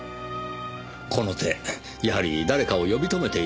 この手やはり誰かを呼び止めているようです。